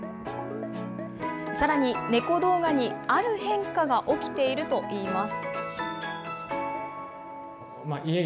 さらに猫動画にある変化が起きているといいます。